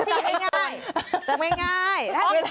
จะไม่ง่ายจะไม่ง่าย